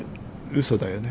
うそだよね。